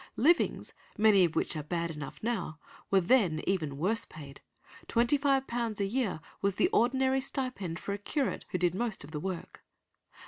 Livings, many of which are bad enough now, were then even worse paid; £25 a year was the ordinary stipend for a curate who did most of the work.